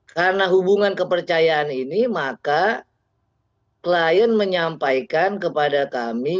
karena hubungan kepercayaan ini maka klien menyampaikan kepada kami